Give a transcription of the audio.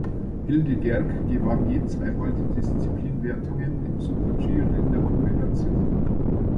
Hilde Gerg gewann je zweimal die Disziplinenwertungen im Super-G und in der Kombination.